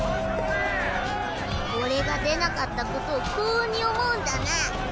俺が出なかったことを幸運に思うんだな。